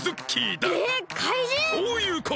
そういうことだ！